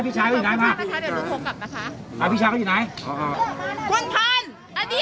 มันมรอไม่เห็นหน้ามันเตี้ยเปิดสิครับคุณคุณคุณก็เปิด